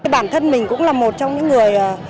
bản thân mình cũng là một trong những người